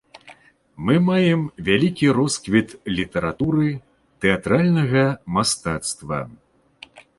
Мы маем вялікі росквіт літаратуры, тэатральнага мастацтва.